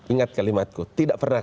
ingat kalimatku tidak pernah